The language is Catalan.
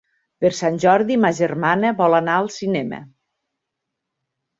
Per Sant Jordi ma germana vol anar al cinema.